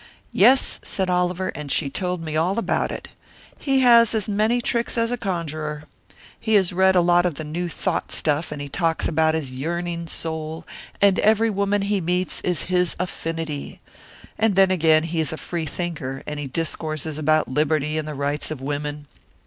"Yes," said Oliver, "and she told me all about it. He has as many tricks as a conjurer. He has read a lot of New Thought stuff, and he talks about his yearning soul, and every woman he meets is his affinity. And then again, he is a free thinker, and he discourses about liberty and the rights of women.